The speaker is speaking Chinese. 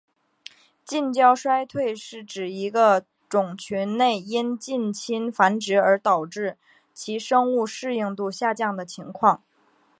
近交衰退是指一个种群内因近亲繁殖而导致其生物适应度下降的情况。